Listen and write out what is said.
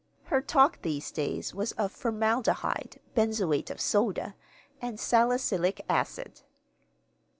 Her talk these days was of formaldehyde, benzoate of soda, and salicylic acid.